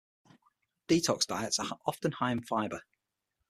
Detox diets are often high in fiber.